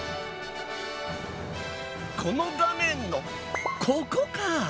この画面のここか！